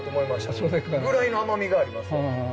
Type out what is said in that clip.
それぐらいの甘みがあります。